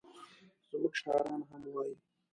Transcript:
زموږ شاعران هم وایي.